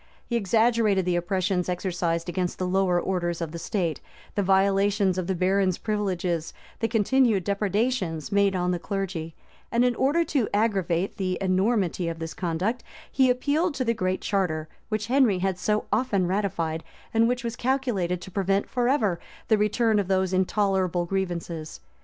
He exaggerated the oppressions exercised against the lower orders of the state, the violations of the barons' privileges, the continued depredations made on the clergy; and in order to aggravate the enormity of this conduct, he appealed to the Great Charter, which Henry had so often ratified, and which was calculated to prevent forever the return of those intolerable grievances.